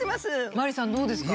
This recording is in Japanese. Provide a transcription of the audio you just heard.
マリさんどうですか？